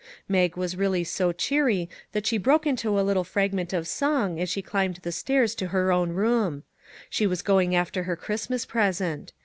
Mag was really so cheery that she broke into a little fragment of song as she climbed the stairs to her own room. She was going after her Christmas present.